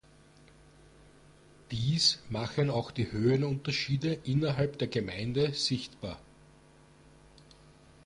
Dies machen auch die Höhenunterschiede innerhalb der Gemeinde sichtbar.